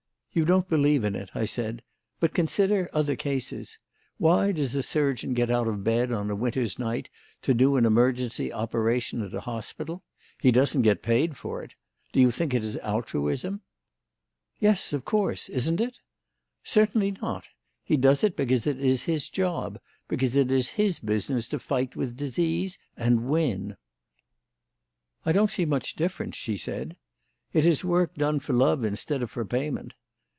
"You don't believe in it," I said; "but consider other cases. Why does a surgeon get out of bed on a winter's night to do an emergency operation at a hospital? He doesn't get paid for it. Do you think it is altruism?" "Yes, of course. Isn't it?" "Certainly not. He does it because it is his job, because it is his business to fight with disease and win." "I don't see much difference," she said. "It is work done for love instead of for payment.